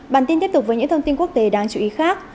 bản tin tiếp tục với những thông tin quốc tế đáng chú ý khác